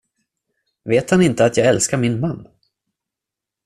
Vet han inte att jag älskar min man?